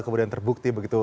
kemudian terbukti begitu